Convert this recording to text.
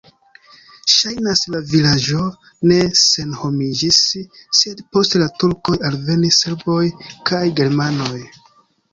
Ŝajnas, la vilaĝo ne senhomiĝis, sed post la turkoj alvenis serboj kaj germanoj.